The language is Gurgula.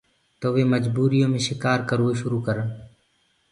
تو وي مجبوٚر يو مي شڪآر ڪروو شروُ ڪرن۔